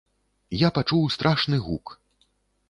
Я пачуў страшны гук.